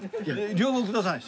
両方ください。